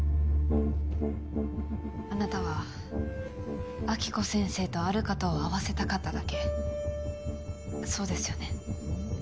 あなたは暁子先生とある方を会わせたかっただけそうですよね？